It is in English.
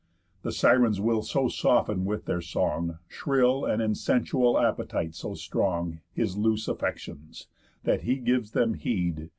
The Sirens will so soften with their song (Shrill, and in sensual appetite so strong) His loose affections, that he gives them head.